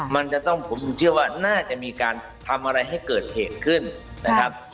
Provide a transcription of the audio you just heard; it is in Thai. มันจะต้องผมถึงเชื่อว่าน่าจะมีการทำอะไรให้เกิดเหตุขึ้นนะครับ